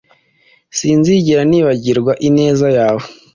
sinzigera nibagirwa ineza yawe